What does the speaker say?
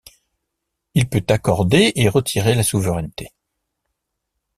Il peut accorder et retirer la souveraineté.